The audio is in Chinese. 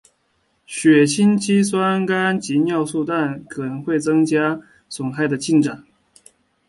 血清肌酸酐及尿素氮可能会增加肾损害的进展。